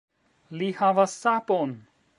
Li havas sapon!